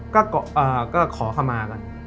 ก็ขอเข้ามากัน